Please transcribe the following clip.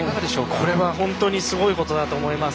これは本当にすごいことだと思います。